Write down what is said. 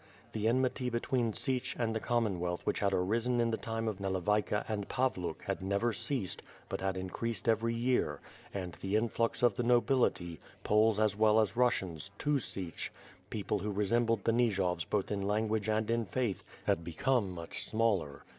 The enmity between Sich and the Commonwealth which had arisen in the time of Nalevayka and Pavluk had never ceased but had increased every year; and the influx of the nobility, Poles as well as Russians, to Sich, people who resembled the Nijovs both in language and in faith, had become much smaller.